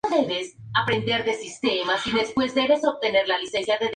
No es todo oscuro y trágico.